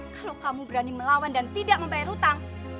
kalau kamu berani melawan dan tidak membayar hutang